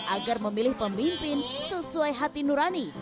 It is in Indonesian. agar memilih pemimpin sesuai hati nurani